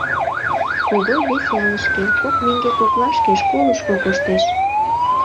Когой вес ялышке, кок меҥге коклашке, школышко коштеш.